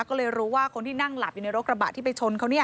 ก็เลยรู้ว่าคนที่นั่งหลับอยู่ในรถกระบะที่ไปชนเขา